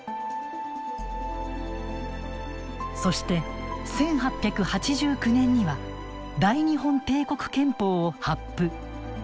そして１８８９年には大日本帝国憲法を発布。